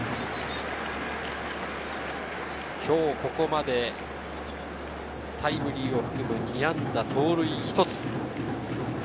今日ここまでタイムリーを含む２安打、盗塁１つ。